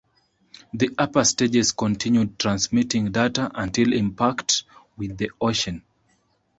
The upper stages continued transmitting data until impact with the ocean.